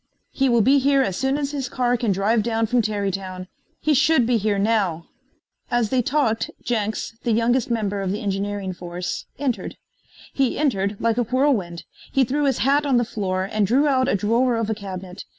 "He will be here as soon as his car can drive down from Tarrytown. He should be here now." As they talked Jenks, the youngest member of the engineering force, entered. He entered like a whirlwind. He threw his hat on the floor and drew out a drawer of a cabinet.